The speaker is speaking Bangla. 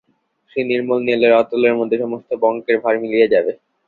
সেই নির্মল নীলের অতলের মধ্যে সমস্ত পঙ্কের ভার মিলিয়ে যাবে।